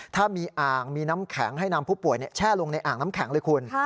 ถ้ามีอ่างมีน้ำแข็งให้นำผู้ป่วยแช่ลงในอ่างน้ำแข็งเลยคุณ